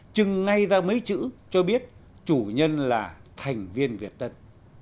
chừng ngay ra mấy chữ cho biết chủ nhân là thành viên việt tân